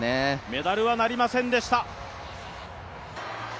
メダルはなりませんでした。